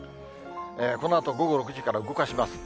このあと午後６時から動かします。